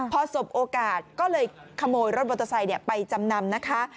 พอสบโอกาสก็เลยขโมยรถมอเตอร์ไซค์ไปจำนำนะคะ